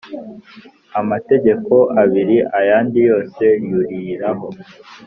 Aamategeko abiri ayandi yose yuririraho